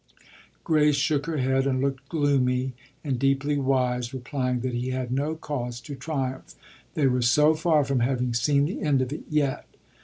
Grace shook her head and looked gloomy and deeply wise, replying that he had no cause to triumph they were so far from having seen the end of it yet.